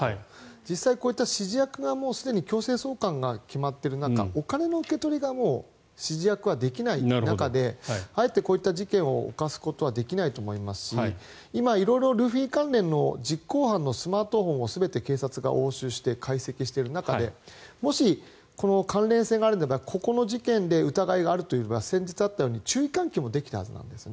実際にこういった指示役がすでに強制送還が決まっている中お金の受け取りがもう指示役はできない中であえてこういった事件を犯すことはできないと思いますし今、色々、ルフィ関連の実行犯のスマートフォンを全て警察が押収して解析している中でもし関連性があるのであればここの事件が疑いがあるという場合は先日あったように注意喚起もできたと思うんですね。